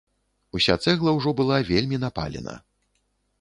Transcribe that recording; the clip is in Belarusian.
Уся цэгла ўжо была вельмі напалена.